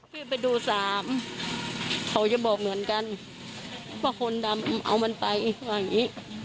ไปดูสามเขาจะบอกเหมือนกันว่าคนดำเอามันไปว่าอย่างนี้